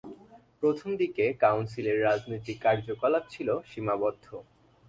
প্রথম দিকে কাউন্সিলের রাজনৈতিক কার্যকলাপ ছিল সীমাবদ্ধ।